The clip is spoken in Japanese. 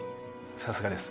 さすがです